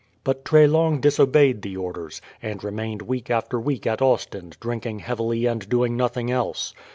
But Treslong disobeyed the orders, and remained week after week at Ostend drinking heavily and doing nothing else.